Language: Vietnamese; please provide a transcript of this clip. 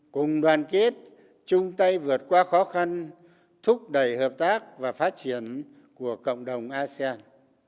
cùng đoàn kết chung tay vượt qua khó khăn thúc đẩy hợp tác và phát triển của cộng đồng asean